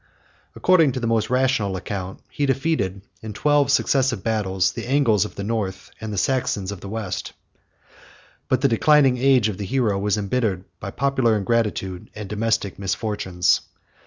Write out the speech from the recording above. According to the most rational account, he defeated, in twelve successive battles, the Angles of the North, and the Saxons of the West; but the declining age of the hero was imbittered by popular ingratitude and domestic misfortunes.